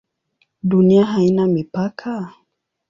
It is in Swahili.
Dunia haina mipaka?